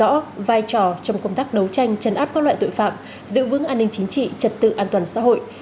họ đều có vai trò trong công tác đấu tranh trấn áp các loại tội phạm giữ vững an ninh chính trị trật tự an toàn xã hội